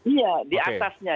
iya di atasnya